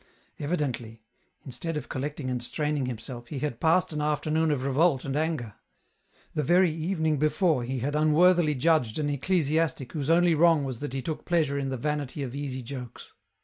Evidently ; instead of collecting and straining himself, he had passed an afternoon of revolt and anger ; the very evening before he had unworthily judged an ecclesiastic whose only wrong was that he took pleasure in the vanity of easy jokes.